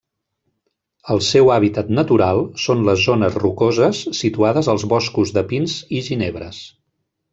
El seu hàbitat natural són les zones rocoses situades als boscos de pins i ginebres.